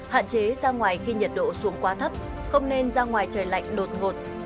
hạn chế ra ngoài khi nhiệt độ xuống quá thấp không nên ra ngoài trời lạnh đột ngột